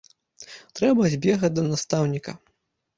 Трэба збегаць да настаўніка.